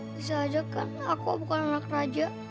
bisa aja karena aku bukan anak raja